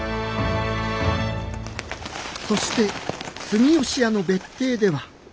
そして住吉屋の別邸では